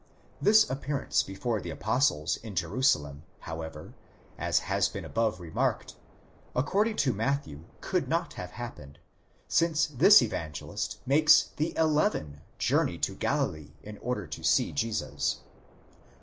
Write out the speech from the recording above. This appearance before the apostles in Jerusalem however, as has been above remarked, according to Matthew could not have happened, since this Evangelist makes the e/even journey to Galilee in order to see Jesus.